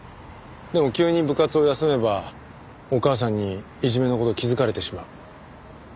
でも急に部活を休めばお母さんにいじめの事を気づかれてしまう。